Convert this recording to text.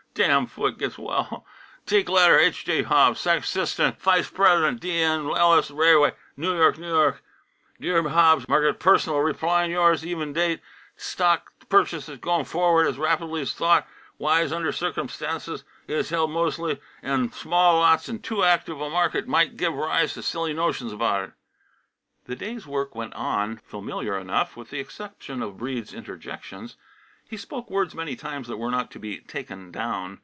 damn foot gets well take letter H.J. Hobbs secon' 'sistant vice Pres'den' D. 'n' L.S. Rai'way New York, New York, dear Hobbs mark it pers'nal repline yours even date stock purchases goin' forward as rapidly's thought wise under circumstances it is held mos'ly 'n small lots an' too active a market might give rise t' silly notions about it " The day's work was on, familiar enough, with the exception of Breede's interjections; he spoke words many times that were not to be "taken down."